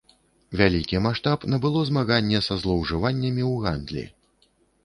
Вялікі маштаб набыло змаганне са злоўжываннямі ў гандлі.